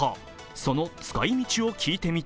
その使い道を聞いてみた。